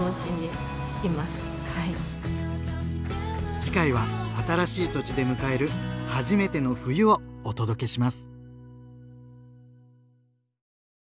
次回は新しい土地で迎える初めての冬をお届けします。